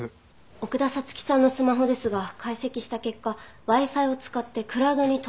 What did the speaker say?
奥田彩月さんのスマホですが解析した結果Ｗｉ−Ｆｉを使ってクラウドに登録していた形跡がありました。